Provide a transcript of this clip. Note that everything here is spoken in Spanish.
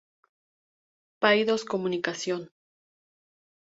Paidós Comunicación.